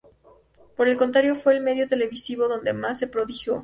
Por el contrario, fue en el medio televisivo donde más se prodigó.